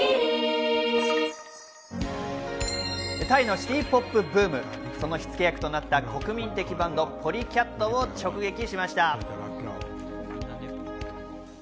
タイのシティポップブーム、その火付け役となった国民的バンド、ＰＯＬＹＣＡＴを直撃しました。